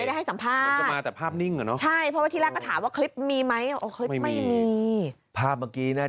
ไม่ได้ให้สัมภาษณ์มันจะมาแบบภาพนิ่งก่อนเนอะ